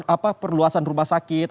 apa perluasan rumah sakit